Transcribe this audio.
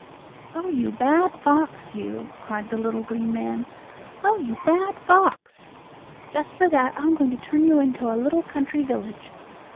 "Oh, you bad fox, you!" cried the little green man. "Oh, you bad fox! Just for that I'm going to turn you into a little country village!